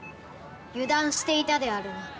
油断していたであるな。